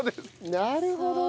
なるほどね。